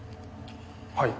はい。